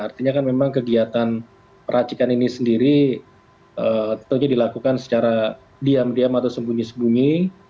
artinya kan memang kegiatan peracikan ini sendiri tentunya dilakukan secara diam diam atau sembunyi sembunyi